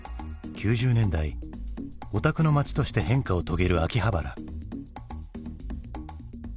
９０年代オタクの街として変化を遂げる秋葉原。